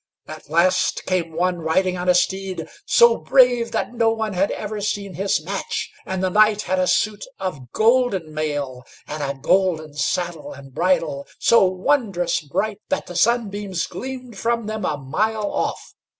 At last came one riding on a steed, so brave that no one had ever seen his match; and the knight had a suit of golden mail, and a golden saddle and bridle, so wondrous bright that the sunbeams gleamed from them a mile off.